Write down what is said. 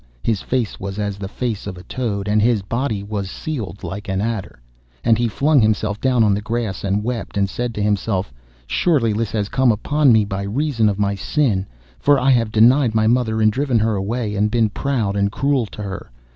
his face was as the face of a toad, and his body was sealed like an adder. And he flung himself down on the grass and wept, and said to himself, 'Surely this has come upon me by reason of my sin. For I have denied my mother, and driven her away, and been proud, and cruel to her.